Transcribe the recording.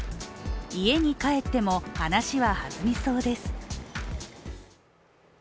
家に帰っても、話ははずみそうです。